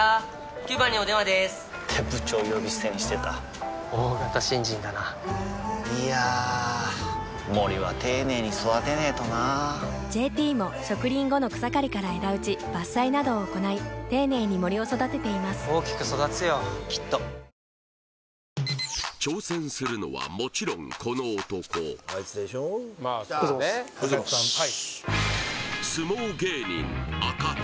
９番にお電話でーす！って部長呼び捨てにしてた大型新人だないやー森は丁寧に育てないとな「ＪＴ」も植林後の草刈りから枝打ち伐採などを行い丁寧に森を育てています大きく育つよきっと挑戦するのはもちろんこの男おはようございますおはようございます